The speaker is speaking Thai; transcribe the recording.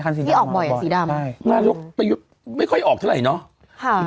คันสีดำออกบ่อยที่ออกบ่อยอ่ะสีดำใช่ไม่ค่อยออกเท่าไหร่เนาะค่ะ